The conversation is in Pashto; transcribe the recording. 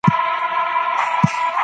همدا اوس پلان جوړول پيل کړئ.